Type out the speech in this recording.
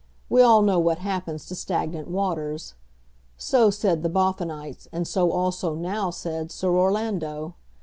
We all know what happens to stagnant waters. So said the Boffinites, and so also now said Sir Orlando.